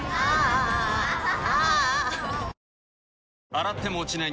洗っても落ちない